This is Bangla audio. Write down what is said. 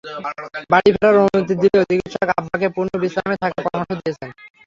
বাড়ি ফেরার অনুমতি দিলেও চিকিত্সক আব্বাকে পূর্ণ বিশ্রামে থাকার পরামর্শ দিয়েছেন।